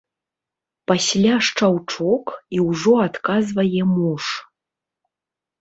Пасля шчаўчок, і ўжо адказвае муж.